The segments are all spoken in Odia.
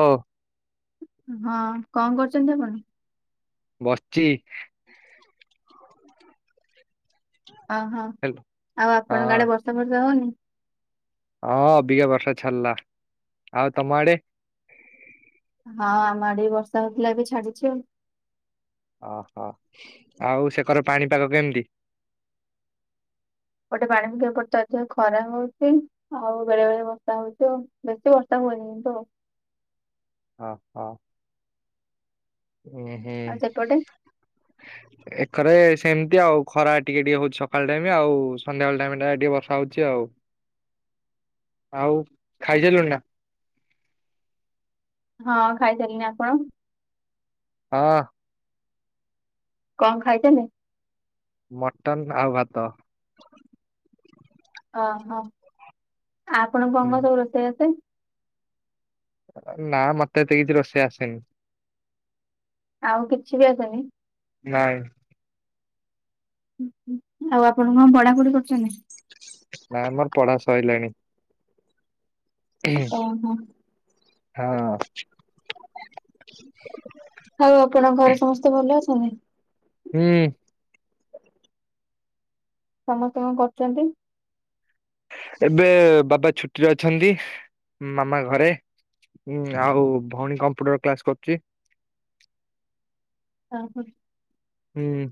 ଓ। ହଁ କଣ କରୁଛନ୍ତି ଆପଣ? ବସିଛି। ଓହୋ ହେଲ ଆଉ ହଁ ଆପଣଙ୍କ ଆଡେ ବର୍ଷା ଫର୍ଷା ହଉନି? ହଁ ଅବିକା ବର୍ଷ ଛାଡିଲା ଆଉ ତମ ଆଡେ? ହଁ ଆମ ଆଡ ବର୍ଷା ହଉଥିଲା ଏବେ ଛାଡିଛି ଆଉ। ଓହୋ ଆଉ ସେକର ପାଣିପାଗ କେମିତି? ଗୋଟେ ପାଣି ବି କେ ପ ଅଧିକ ଖରା ହଉଛି ଆଉ ବେଳେ ବେଳେ ବର୍ଷା ହଉଛି ବେଶୀ ବର୍ଷା ତ ଓ ହୋ। ହୁଁ ହୁଁ। ଆଉ ସେପଟେ? ପାଖରେ ସେମିତି ଆଉ ଖରା ଟିକେ ଟିକେ ହଉଛି ସକାଳ ଟାଇମ ଆଉ ସନ୍ଧ୍ୟାବେଳ ଟାଇମ ଟା ଟିକେ ବର୍ଷା ହଉଛି ଆଉ [inaudible] ଆଉ ହଁ ଖାଇସାରିଲୁଣି ନା? ହଁ ଖାଇସାରିନି ଆପଣ? ହଁ। କଣ ଖାଇଚନ୍ତି? ମଟନ ଆଉ ଭାତ। ଓହୋ ଆ ଆପଣ କଣ ହୁଁ। କଣ ସବୁ ରୋଷେଇ ଆସେ? ନା ମତେ ଏତେ କିଛି ରୋଷେଇ ଆସେନି? ଆଉ କିଛି ବି ଆସୁନି? ନାଇଁ। ଆଉ ଆପଣ କଣ ପଢ଼ାପଢ଼ି କରୁଛନ୍ତି? ନାମୋର ପଢା ସଇଲାଣି। ଓହୋ। ହଁ। ଆଉ ଆପଣଙ୍କ ଘରେ ସମସ୍ତେ ଭଲ ଅଛନ୍ତି? ହୁଁ। ସମସ୍ତେ କଣ କରୁଛନ୍ତି? ଏବେ ବାବା ଛୁଟିରେ ଅଛନ୍ତି ମାମା ଘରେ। ହୁଁ ଆଉ ଭଉଣୀ କମ୍ପ୍ୟୁଟର କ୍ଲାସ କରୁଛି। ହ ହୋ। ହୁଁ।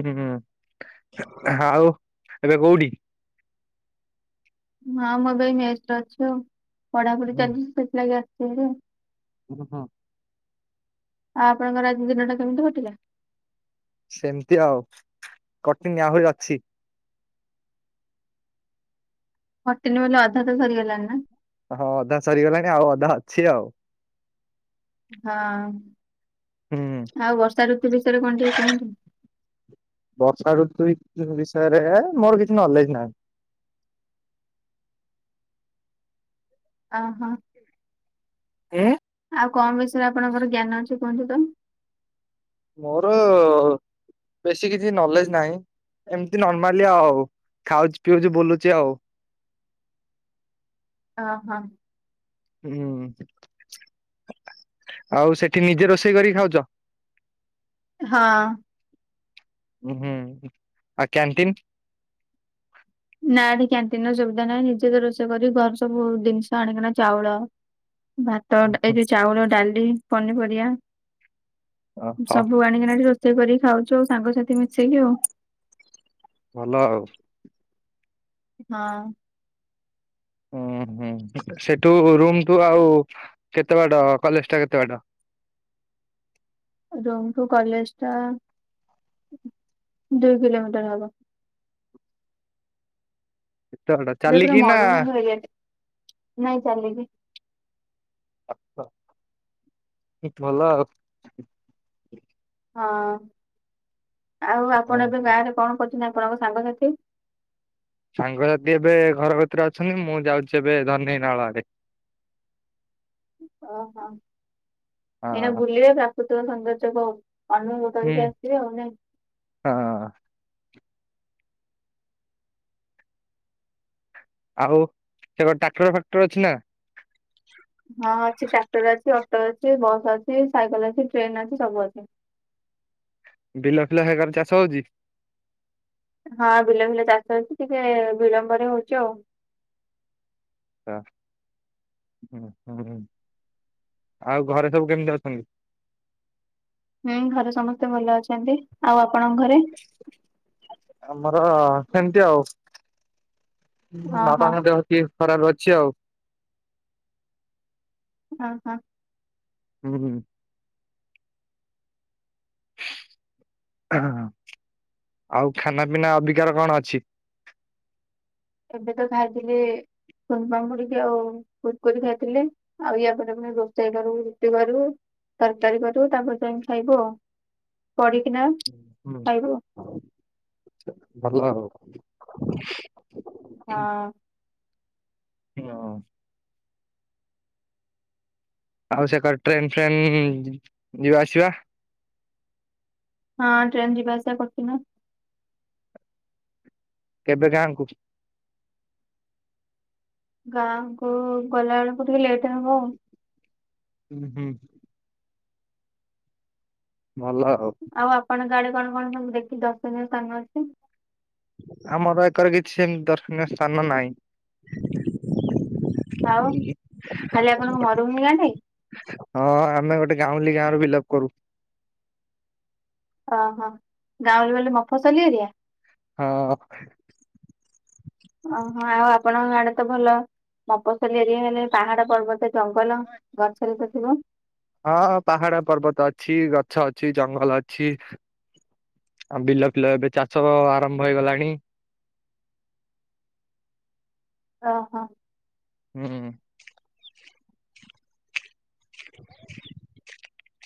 ହୁଁ ଆଉ ଏବେ କୋଉଠି? ହଁ ମୁଁ ଏବେ ଏ ମେସ୍ ରେ ଅଛି ଆଉ ପଢାପଢି ହୁଁ ଚାଲିଛି ସେଥିଲାଗି ଆସିଥିଲି ଆଉ। [inaudible] ଆଉ ଆପଣଙ୍କର ଆଜି ଦିନ ଟା କେମିତି କଟିଲା? ସେମିତି ଆଉ କଟିନି ଆହୁରି ଅଛି। କଟିନି ବୋଲି ଅଧା ତ ସରିଗଲାଣି ନା। ହଁ ଅଧା ସରିଗଲାଣି ଆଉ ଅଧା ଅଛି ଆଉ। ହୁଁ। ହଁ। ଆଉ ବର୍ଷା ଋତୁ ବିଷୟରେ କଣ ଟିକେ କୁହନ୍ତୁ? ବର୍ଷାର ଋତୁ ସେରେ ହେ ମୋର କିଛି ନଲେଜ ନାହିଁ। ଅ ହୋ। ଉଁ। ଆଉ କଣ ବିଷୟରେ ଆପଣଙ୍କର ଜ୍ଞାନ ଅଛି କୁହନ୍ତୁ ତ? ମୋର ବେଶୀ କିଛି ନଲେଜ ନାହିଁ। ଏମିତି ନର୍ମାଲି ଆଉ ଖାଉଛି ପିଉଛି ବୁଲୁଛି ଆଉ। ହ ହଁ। ହୁଁ ଆଉ ସେଠି ନିଜେ ରୋଷେଇ କରିକି ଖାଉଛ? ହଁ। ହୁଁ ଆ କ୍ୟାଣ୍ଟିନ୍? ନା ଏଠି କ୍ୟାଣ୍ଟିନ ର ସୁବିଧା ନାହିଁ ନିଜେ ତ ରୋଷେଇ କରି ଘର ସବୁ- ଜିନିଷ ଆଣିକିନା ଚାଉଳ ଭାତ ଉଁ ଏଇ ହୁଁ। ଯଉ ଚାଉଳ ଡାଲି ପନିପରିବା ଓହୋ ସବୁ ଆଣିକିନା ଏଠି ରୋଷେଇ କରିକି ଖାଉଛୁ ଆଉ ସାଙ୍ଗସାଥି ମିଶେଇକି ଆଉ। ଭଲ ଆଉ। ହଁ। ହୁଁ ହୁଁ ସେଠୁ ରୁମୁ ଆଉ କେତେ ବାଟ କଲେଜ ଟା କେତେ ବାଟ? [inaudible] ରୁମ୍ ଠୁ କଲେଜ ଟା ଦୁଇ କିଲୋମିଟର ହବ। କେତେ ବାଟ ଏଟା ପୁରା ଚାଲିକି ନା ମରୁଭୂମି ଏରିଆ ଟେ- ନାଇଁ ଚାଲିକି। ଆଛ ବହୁତ୍ ଭଲ ଆଉ। ହଁ ଆଉ ଆପଣ ଏବେ ଗାଁରେ କଣ କରଚ୍ ଆପଣଙ୍କ ସାଙ୍ଗସାଥି? ସାଙ୍ଗସାଥି ଏବେ ଘର କତିରେ ଅଛନ୍ତି। ମୁଁ ଯାଉଛି ଏବେ ଧନେଇ ନାଳ ଆଡ଼େ। [inaudible] ଓହୋ। ଏଇନା ଭୁଲିବେ ପ୍ରାକୃତିକ ସୌନ୍ଦର୍ଯ୍ୟ କ କାହ୍ନୁ ହୁଁ କତିକି ଆସିବେ ଆଉ, ନାଇଁ। ହଁ ଆଉ, ସେପଟେ ଟ୍ରାକ୍ଟର ଫାକ୍ଟର ଅଛି ନା? ହଁ ଅଛି। ଟ୍ରାକ୍ଟର ଅଛି, ଅଟୋ ଅଛି, ବସ୍ ଅଛି, ସାଇକେଲ ଅଛି, ଟ୍ରେନ ଅଛି, ସବୁ ଅଛି। [inaudible] ବିଲ ଫିଲ ହେଗାର ଚାଷ ହଉଛି? ହଁ ବିଲ ଫିଲ ଚାଷ ଅଉଛି। ଟିକେ ବିଳମ୍ବରେ ହଉଛି ଆଉ। ହୁଁ ହୁଁ। ଆଉ ଘରେ ସବୁ କେମିତି ଅଛନ୍ତି? ହୁଁ ଘରେ ସମସ୍ତେ ଭଲ ଅଛନ୍ତି। ଆଉ ଆପଣଙ୍କ ଘରେ? ହ ସେମିତି ଆଉ। ବାପା ଓହୋ ଙ୍କ ଦେହ ଟିକେ ଖରାପ ଅଛି ଆଉ। ଓ ହୋ। ହୁଁ ହୁଁ। [inaudible] ଆଉ ଖାନା ପିନା ଅବିକାର କଣ ଅଛି? ଏବେ ତ ଖାଇଥିଲି ଶୁନ୍ ପାମ୍ପୁଡ଼ି କି ଆଉ କୁରକୁରି ଖାଇଥିଲି ଆଉ। ୟା ପରେ ଫୁଣି ରୋଷେଇ କରିବୁ ରୁଟି କରିବୁ ତରକାରୀ କରିବୁ ତାପରେ ଯାଇକି ଖାଇବୁ ଆଉ। କିରିକିନା ହୁଁ ଖଇବୁ। ଭଲ। ହଁ। ହଁ। ଆଉ ସେ କରେ ଟ୍ରେନ୍ ଫ୍ରେନ୍ ଯିବା ଆସିବା? ହଁ ଟ୍ରେନ ଯିବା ଆସିବା କରୁଛି ନା? କେବେ ଗାଁ ଙ୍କୁ? ଗାଁ କୁ ଗଲା ବେଳକୁ ଟିକେ ଲେଟ ହବ ଆଉ। ଉ ହୁଁ। ଭଲ ଆଉ। ଆପଣଙ୍କ ଆଡେ କଣ କଣ ସବୁ ଦେଖି ଦଶ ଦିନ ସ୍ଥାନ ଅଛି। ଆମର ଏକର କିଛି ସେମିତି ଦର୍ଶନୀୟ ସ୍ଥାନ ନାହିଁ। ଆଉ ଖାଲି ଆପଣଙ୍କୁ ମରୁଭୂମି ଯାନ୍ତି। ହଁ ଆମେ ଗୋଟେ ଗାଉଁଲି ଗାଁରୁ ବିଲପ୍ କରୁ। ଓହୋ। ଗାଁରେ ବଲେ ମଫ ସଲିି ଏରିଆ? ହଁ। ଓହୋ। ଆଉ ଆପଣଙ୍କ ଆଡେ ତ ଭଲ ମଫସଲି ଏରିଆ ହେଲେ ପାହାଡ ପର୍ବତରେ ଜଙ୍ଗଲ ଗଛରେ ତ ଥିବ? ହଁ ପାହାଡ ପର୍ବତ ଅଛି। ଗଛ ଅଛି, ଜଙ୍ଗଲ ଅଛି। ଆଉ ବିଲ ଫିଲ ଏବେ ଚାଷ ଆରମ୍ଭ ହେଇଗଲାଣି। ଓହୋ। ହୁଁ। [inaudible]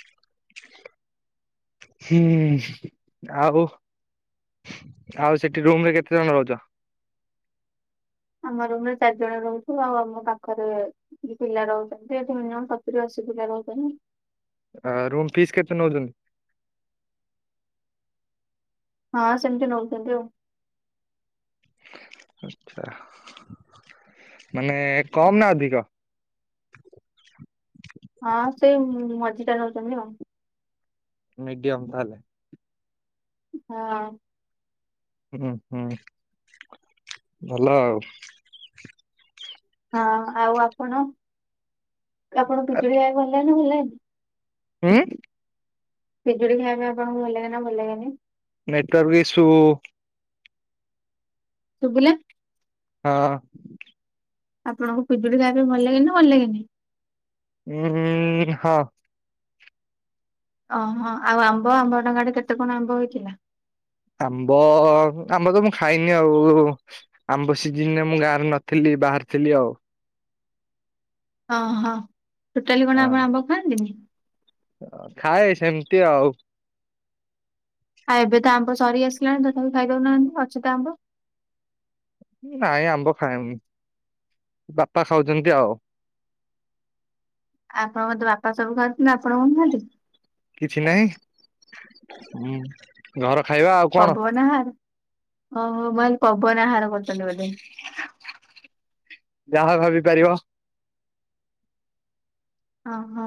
ହୁଁ ଆଉ? ଆଉ ସେଠି ରୁମ ରେ କେତେ ଜଣ ରହୁଛ? ଆମ ରୁମ୍ ରେ ଚାରି ଜଣ ରହୁଛୁ। ଆଉ ଆମ ପାଖରେ ପିଲା ରହୁଛନ୍ତି। ଏଠି ମିନି ମମ୍ ସତୁରି ଅସି [inaudible] ଆ ରୁମ୍ ଫିସ୍ କେତେ ନେଉଛନ୍ତି? ହଁ ସେମିତି ନେଉଛନ୍ତି ଆଉ। ଆଚ୍ଛା। ମାନେ କମ୍ ନା ଅଧିକ। ହଁ ସେଇ ମଝିଟା ନୋଉଚନ୍ତି ଆଉ। ମିଡିୟମ ତାହାଲେ। ହଁ। ଉଁହୁଁ ହୁଁ ଭଲ ଆଉ। ହଁ ଆଉ ଆପଣ ଆପଣଙ୍କୁ ପିଜୁଳି ଖାଇବାକୁ ଭଲ ଲାଗେ ନା ଭଲ ଲାଗେନି। ଉଁ ପିଜୁଳି ଖାଇବା ପାଇଁ ଆପଣଙ୍କୁ ଭଲ ଲାଗେ ନା ଭଲ ଲାଗେନି। ନେଟୱର୍କ ର ଈଶୁ ଶୁବିଲା। ହଁ। ଆପଣଙ୍କୁ ପିଜୁଳି ଖାଇବା ପାଇଁ ଭଲ ଲାଗେ ନା ଭଲ ଲାଗେନି। ଉଁହୁଁ ହଁ। ଅହଁ ଆଉ ଆମ୍ବ ଆମ୍ବ ଟଙ୍କାଟେ କେତେ କଣ ଆମ୍ବ ହେଇଥିଲା। ଆମ୍ବ ଆମ୍ବ ତ ମୁଁ ଖାଇନି ଆଉ ଆମ୍ବ ସିଯିନରେ ମୁଁ ଗାଁରେ ନଥିଲି। ବାହାରେଥିଲି ଆଉ। ଅହଁ ଟୋଟାଲି କଣ ଆପଣ ଆମ୍ବ ଖାଆନ୍ତିନି? ଅଁ ଖାଏ ସେମିତି ଆଉ। ଆ ଏବେ ତ ଆମ୍ବ ସରି ଆସିଲାଣି ତଥାବି ଖାଇଦୋଉନାହାନ୍ତି ଅଛି ତ ଆମ୍ବ। ନାଇଁ ଆମ୍ବ ଖାଏନି ବାପା ଖାଉଚନ୍ତି ଆଉ। ଆପଣଙ୍କ ତ ବାପା ସବୁ ଖାଉଚନ୍ତି ଆପଣ କଣ ଖାଆନ୍ତି। ହୁଁ ଘର ଖାଇବା ଆଉ କଣ ପବନ ଆହାର ଓହୋ ମୁଁ ଭାବିଲି ପବନ ଆହାର କରୁଛନ୍ତି ବୋଧେ। [inaudible] ଯାହା ଭାବି ପାରିବ। ଅହଁ।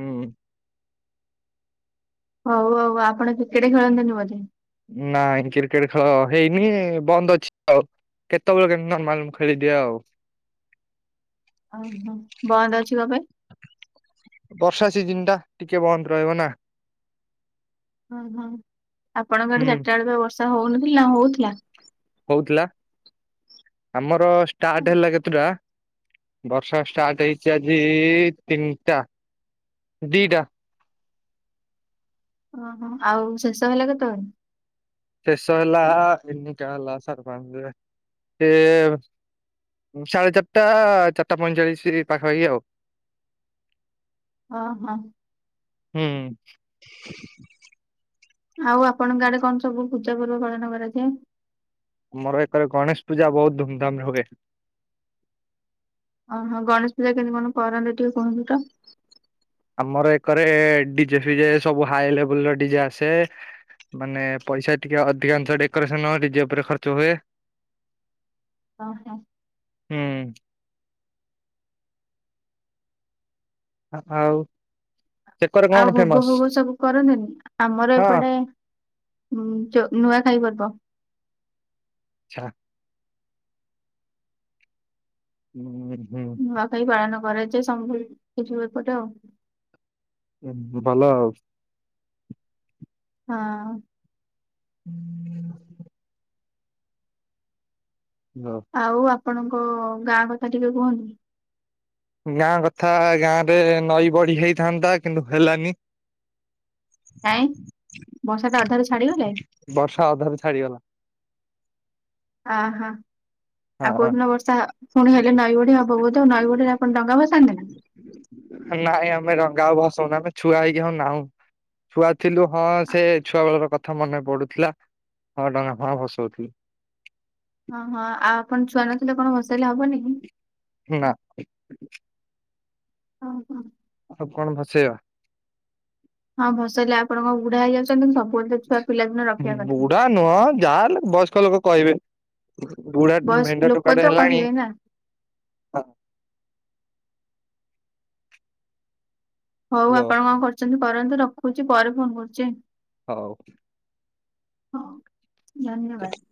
ହୁଁ। ହୋଉ ଆଉ ଆପଣ କ୍ରିକେଟ ଖେଳନ୍ତିନି ବୋଧେ? ନାଇଁ କ୍ରିକେଟ ଖେଳ ହେଇନି ବନ୍ଦ ଅଛି ଆଉ। କେତୋବେଳେ କେମିତି ନର୍ମାଲ୍ ମୁଁ ଖେଳିଦିଏ ଆଉ। ଅହଁ ବନ୍ଦ ଅଛି କଁ ପାଇଁ। ବର୍ଷା ସିଜିନ ଟା ଟିକେ ବନ୍ଦ ରହିବ ନା। ଅହଁ ଆପଣଙ୍କ ହୁଁ ଆଡେ ଚାର୍ଟା ବେଳେ ପା ବର୍ଷା ହୋଉନଥିଲା ନା ହୋଉଥୁଲା। ଲା ଆମର ଷ୍ଟାର୍ଟ ହେଲା କେତୁଟା। ବର୍ଷା ଷ୍ଟାର୍ଟ ହେଇଛି ଆଜି ତିନିଟା ଦିଟା। ଅହଁ ଆଉ ଶେଷ ହେଲା କେତୋବୋଳେ। ଶେଷ ହେଲା ତିନିଟା ହେଲା ସାଢ଼େ ପାଞ୍ଚେ ସେ ସାଢେ ଚାରିଟା ଚାର୍ଟା ପଇଁଚାଳିଶି ପାଖାପାଖି ଆଉ। ଅହଁ। ହୁଁ। ଆଉ ଆପଣଙ୍କ ଆଡେ କଣ ସବୁ ପୂଜା ପର୍ବ ପାଳନ କରାଯାଏ। ଆମର ଏକରେ ଗଣେଶ ପୂଜା ବୋହୁତ ଧୁମଧାମରେ ହୁଏ। ଅହଁ ଗଣେଶ ପୂଜା କେମିତି କଣ କରନ୍ତେ ଟିକେ କୁହନ୍ତୁ ତ? ଆମର ଏକରେ ଡିଜେ ଫିଜେ ସବୁ ହାଇ ଲେବୁଲ୍ ର ଡିଜେ ଆସେ। ମାନେ ପଇସା ଟିକେ ଅଧିକାଂଶ ଡେକୋରେସନ ଡିଯେ ଉପରେ ଖର୍ଚ୍ଚ ହୁଏ। ଅହଁ। ହୁଁ। ଆହାଉ। ଆଉ ଭୋଗୋ ଫୋଗୋ ସବୁ କରନ୍ତିନି ଆମର ହଁ ଏପଟେ ହୁଁ ଯୋ ନୂଆଖାଇ ପର୍ବ। ଛା। ଉଁ ଉଁ ଉଁ। ନୂଆଖାଇ ପାଳନ କରିଛି ସମ ଏ ଯୋଉ ଏପଟେ ଆଉ। ହୁଁ ହୁଁ ଭଲ ଆଉ। ହଁ। [inaudible] ଆଉ ଆପଣଙ୍କ ଗାଁ କଥା ଟିକେ କୁହନ୍ତୁ। ଉଁ ଗାଁ କଥା ଗାଁ ରେ ନଈବଢି ହେଇଥାନ୍ତା କିନ୍ତୁ ହେଲାନି। କାଇଁ ବର୍ଷା ଟା ଅଧାରୁ ଛାଡିଗଲାଣି ବର୍ଷା ଅଧାରୁ ଛାଡିଗଲା। ଆଁ ହାଁ। ଆଉ କୋଉ ହଁ ଦିନ ବର୍ଷା ଆ ପୁଣି ହେଲେ ନଈବଢି ହବ ବୋଧେ ଆଉ ନଈବଢିରେ ଆପଣ ଡଙ୍ଗା ଭସାନ୍ତି ନା? ନାଇଁ ଆମେ ଡଙ୍ଗା ଆଉ ଭସଉନୁ ଆମେ ଛୁଆ ହେଇକି ଆଉ ନାଁଉ। ଛୁଆ ଥିଲୁ ହଁ ସେ ଛୁଆ ବେଳର କଥା ମନେ ପଡୁଥିଲା। ହଁ ଡଙ୍ଗା ଫଙ୍ଗା ଭସଉ ଥିଲୁ। ହଁ ହଁ ଆଉ ଆପଣ ଛୁଆ ନଥିଲେ କଣ ଭସେଇଲେ ହବନି କି? ହୁଁ ନାଁ। ଓ ହୋ। ଆଉ କଣ ଭସେଇବା? ହଁ ଭସେଇଲେ ଆପଣଙ୍କ ବୁଢା ହେଇଯାଉଛନ୍ତି କିନ୍ତୁ ସବୁବେଳେ ଛୁଆ ପିଲା ଦିନ ରଖିବା କଥା ହୁଁ। ବୁଢା ନୁହଁ ଯାହା ହେଲେ ବୟସ୍କ ଲୋକ କହିବେ ବୁଢା ଭେଣ୍ଡା ଟୋକାଟେ ତ ହେଲାଣି କହିବେ ନା ହଁ। ହଉ ହଲୋ ଆପଣ କଣ କରୁଛନ୍ତି କରନ୍ତୁ ରଖୁଛି ପରେ ଫୋନ୍ କରୁଛି। ହଉ। ହଁ ଧନ୍ୟବାଦ୍।